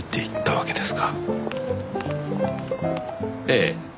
ええ。